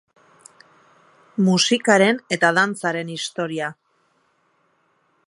Musikaren eta Dantzaren Historia